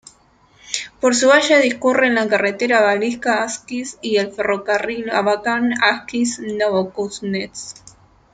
Por su valle discurren la carretera Balyksá-Askiz y el ferrocarril Abakán-Askiz-Novokuznetsk.